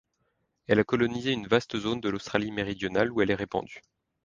Elle a colonisé une vaste zone de l'Australie-Méridionale où elle est répandue.